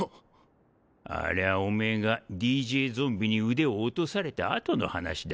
ありゃあおめぇがＤＪゾンビに腕を落とされた後の話だ。